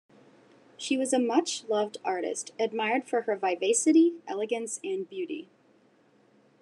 She was a much-loved artist, admired for her vivacity, elegance, and beauty.